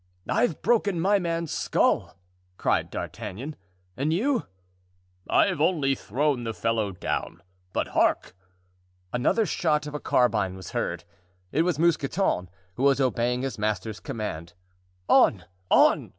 "I've broken my man's skull," cried D'Artagnan. "And you——" "I've only thrown the fellow down, but hark!" Another shot of a carbine was heard. It was Mousqueton, who was obeying his master's command. "On! on!"